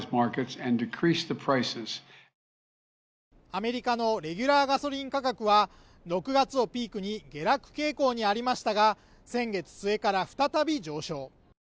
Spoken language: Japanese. アメリカのレギュラーガソリン価格は６月をピークに下落傾向にありましたが先月末から再び上昇